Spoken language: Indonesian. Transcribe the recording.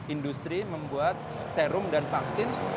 industri membuat serum dan vaksin